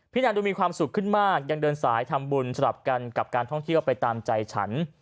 นานดูมีความสุขขึ้นมากยังเดินสายทำบุญสลับกันกับการท่องเที่ยวไปตามใจฉัน